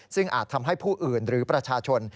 ซึ่งอาจทำให้ผู้อื่นหรือประชาชน